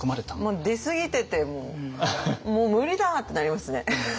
もう出すぎててもう「もう無理だ」ってなりますね。